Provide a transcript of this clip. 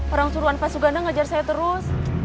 orang suruhan pak suganda ngajar saya terus